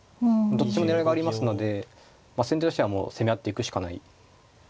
どっちも狙いがありますので先手としてはもう攻め合っていくしかない局面ですね。